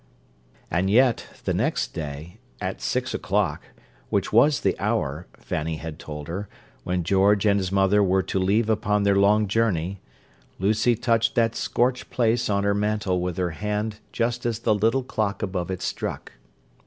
And yet, the next day, at six o'clock, which was the hour, Fanny had told her, when George and his mother were to leave upon their long journey, Lucy touched that scorched place on her mantel with her hand just as the little clock above it struck.